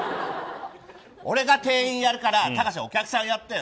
俺が店員やるから隆、お客さんやってよ。